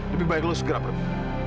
lebih baik lo segera pergi